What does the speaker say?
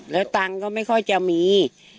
แล้วตังค์ก็ไม่ค่อยจะมี